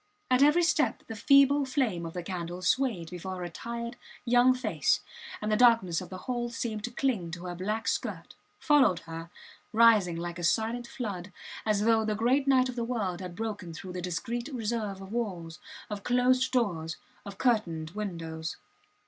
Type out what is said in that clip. At every step the feeble flame of the candle swayed before her tired, young face, and the darkness of the hall seemed to cling to her black skirt, followed her, rising like a silent flood, as though the great night of the world had broken through the discreet reserve of walls, of closed doors, of curtained windows.